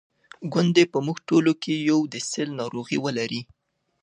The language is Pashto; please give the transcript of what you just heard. ګوندي په موږ ټولو کې یو د سِل ناروغي ولري.